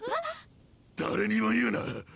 誰にも言うな！